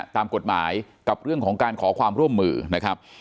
ตามกฎหมายกับเรื่องของการขอความร่วมมือนะครับ